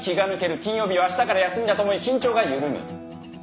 金曜日はあしたから休みだと思い緊張が緩む。